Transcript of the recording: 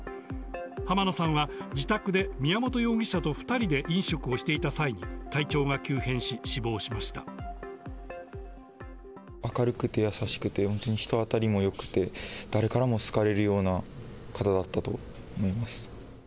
浜野さんは、自宅で宮本容疑者と２人で飲食をしていた際に体調が急変し、明るくて、優しくて、本当に人当たりもよくて、誰からも好かれるような方だったと思います。